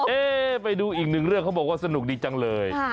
เอ๊ไปดูอีกหนึ่งเรื่องเขาบอกว่าสนุกดีจังเลย